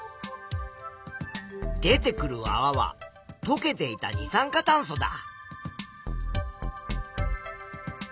出てくるあわはとけていた二酸化炭素だ。